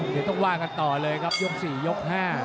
เดี๋ยวต้องว่ากันต่อเลยครับยก๔ยก๕